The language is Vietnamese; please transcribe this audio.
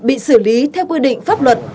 bị xử lý theo quy định pháp luật